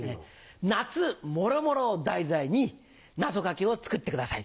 夏もろもろを題材になぞかけを作ってください。